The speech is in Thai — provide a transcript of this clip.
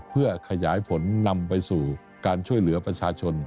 เพื่อขยายผลนำไปสู่การช่วยเหลือประชาชน